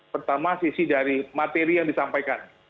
pertama sisi dari materi yang disampaikan